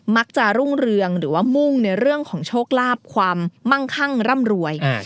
รุ่งเรืองหรือว่ามุ่งในเรื่องของโชคลาภความมั่งคั่งร่ำรวย